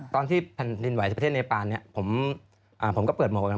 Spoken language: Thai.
ตอนที่พันธุ์ดินไหวประเทศเนปานผมก็เปิดหมวก